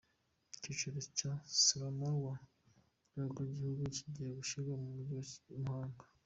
Icyicaro cya sramorwa ku rwego rw’igihugu kigiye gushyirwa mu mujyi wa Muhanga.